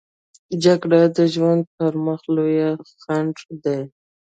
جګړه د ژوند پر مخ لوی خنډ دی